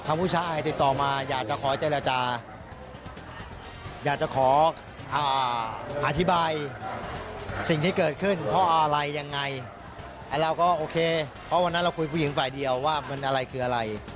ผู้ชายติดต่อมาอยากจะขอเจรจาอยากจะขออธิบายสิ่งที่เกิดขึ้นเพราะอะไรยังไงไอ้เราก็โอเคเพราะวันนั้นเราคุยผู้หญิงฝ่ายเดียวว่ามันอะไรคืออะไร